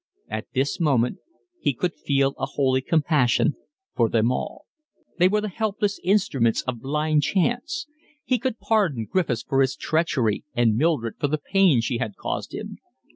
At this moment he could feel a holy compassion for them all. They were the helpless instruments of blind chance. He could pardon Griffiths for his treachery and Mildred for the pain she had caused him.